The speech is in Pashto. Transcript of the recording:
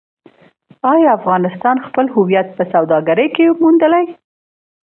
آیا افغانستان خپل هویت په سوداګرۍ کې موندلی؟